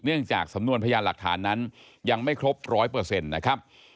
จากสำนวนพยานหลักฐานนั้นยังไม่ครบ๑๐๐นะครับ